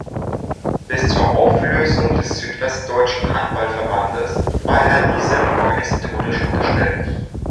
Bis zur Auflösung des Südwestdeutschen Handball-Verbandes war er diesem organisatorisch unterstellt.